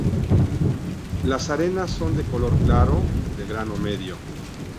Las arenas son de color claro, de grano medio.